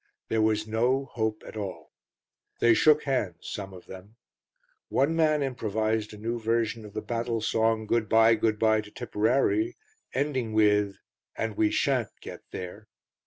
There was no hope at all. They shook hands, some of them. One man improvised a new version of the battlesong, "Good bye, good bye to Tipperary," ending with "And we shan't get there".